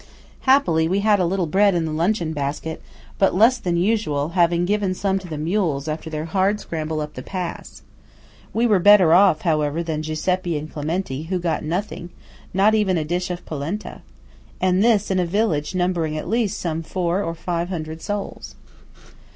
Happily, we had a little bread in the luncheon basket; but less than usual, having given some to the mules after their hard scramble up the pass. We were better off, however, than Giuseppe and Clementi, who got nothing;–not even a dish of polenta. And this in a village numbering at least some four or five hundred souls.